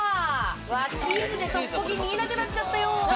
チーズでトッポギ、見えなくなっちゃったよ。